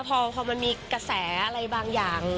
พอมันมีกระแสอะไรบางอย่าง